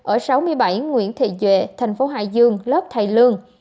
ở sáu mươi bảy nguyễn thị duệ tp hcm lớp thầy lương